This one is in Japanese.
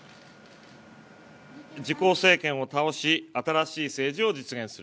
自公政権を倒し、新しい政治を実現する。